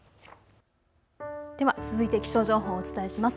では続いて気象情報をお伝えします。